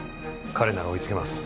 彼なら追いつけます。